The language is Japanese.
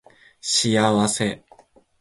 幸せ